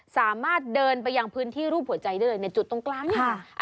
สามารถเดินไปยังพื้นที่รูปหัวใจได้เลยในจุดตรงกลางค่ะ